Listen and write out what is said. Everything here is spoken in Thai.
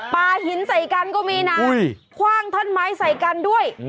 ปลาหินใส่กันก็มีนะคว่างท่อนไม้ใส่กันด้วย